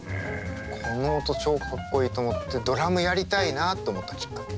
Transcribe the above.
この音超かっこいいと思ってドラムやりたいなと思ったきっかけ。